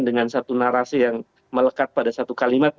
dengan satu narasi yang melekat pada satu kalimat